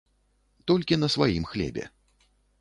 Толькі на сваім хлебе.